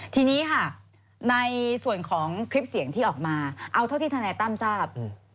ทีนี้ค่ะในส่วนของคลิปเสียงที่ออกมาเอาเท่าที่ทนายตั้มทราบ